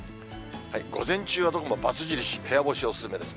午前中はどこも×印、部屋干し、お勧めです。